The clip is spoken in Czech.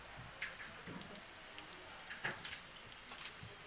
Zvláště působivý byl provoz na těžkých vlacích při plném zatížení.